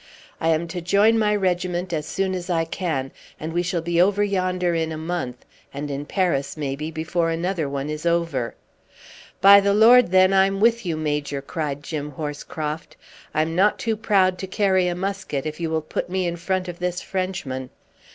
"I am to join my regiment as soon as I can; and we shall be over yonder in a month, and in Paris, maybe, before another one is over." "By the Lord, then, I'm with you, Major!" cried Jim Horscroft. "I'm not too proud to carry a musket, if you will put me in front of this Frenchman."